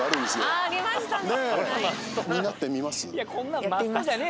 ああありましたね。